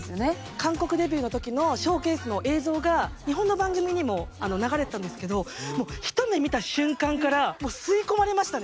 韓国デビューの時のショーケースの映像が日本の番組にも流れてたんですけどもう一目見た瞬間からもう吸い込まれましたね。